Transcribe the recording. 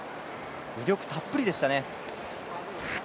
魅力たっぷりでしたね。